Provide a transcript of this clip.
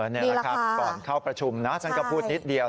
นี่แหละครับก่อนเข้าประชุมนะท่านก็พูดนิดเดียว